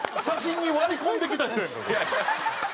写真に割り込んできた人。